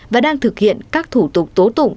và đang thực hiện các thủ tục tố tụng